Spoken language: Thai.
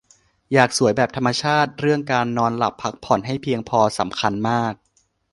อยากสวยแบบธรรมชาติ เรื่องการนอนหลับพักผ่อนให้เพียงพอสำคัญมาก